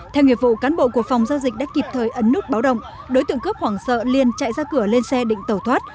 theo nghiệp vụ cán bộ của phòng giao dịch đã kịp thời ấn nút báo động đối tượng cướp hoảng sợ liền chạy ra cửa lên xe định tẩu thoát